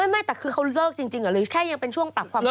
ไม่แต่คือเขาเลิกจริงหรือแค่ยังเป็นช่วงปรับความรัก